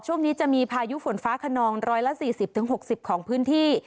ช่วงนี้จะมีพายุฝนฟ้าขนอง๑๔๐๖๐ของพื้นที่